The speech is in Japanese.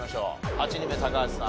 ８人目高橋さん